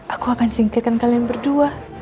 aku akan singkirkan kalian berdua